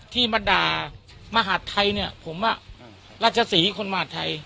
ที่มาด่ามหาดไทยเนี่ยผมรัชศรีคนมหาดไทย